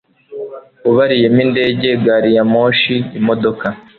ubariyemo indege, gari ya moshi, imodoka…